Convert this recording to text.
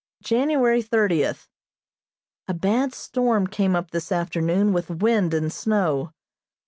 January thirtieth: A bad storm came up this afternoon with wind and snow.